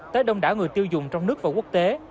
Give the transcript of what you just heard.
tới đông đảo người tiêu dùng trong nước và quốc tế